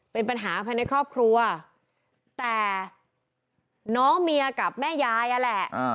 เป็นปัญหาภายในครอบครัวแต่น้องเมียกับแม่ยายนั่นแหละ